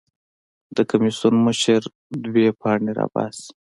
د کمېسیون مشر دوه پاڼې راباسي.